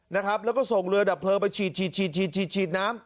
นะครับแล้วก็ส่งเรือดับเผลอไปฉีดฉีดฉีดฉีดฉีดน้ำ